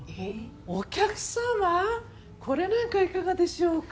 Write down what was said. お客さまこれなんかいかがでしょうか？